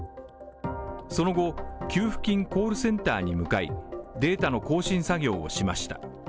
その後、給付金コールセンターに向かいデータの更新作業をしました。